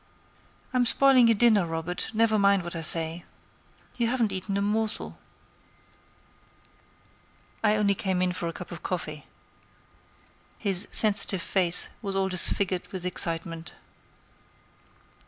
"I'm spoiling your dinner, Robert; never mind what I say. You haven't eaten a morsel." "I only came in for a cup of coffee." His sensitive face was all disfigured with excitement.